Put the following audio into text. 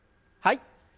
はい。